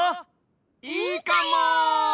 いいかも！